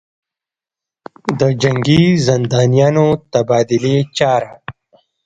دجنګي زندانیانودتبادلې چاره